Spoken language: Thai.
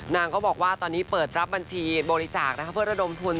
นางก็บอกว่าตอนนี้เปิดรับบัญชีบริจาคนะคะเพื่อระดมทุน